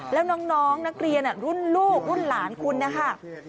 แล้วน้องนักเรียนรุ่นลูกรุ่นหลานคุณนะคะ